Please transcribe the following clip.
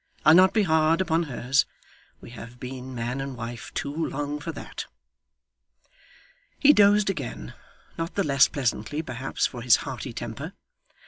I'll not be hard upon hers. We have been man and wife too long for that.' He dozed again not the less pleasantly, perhaps, for his hearty temper.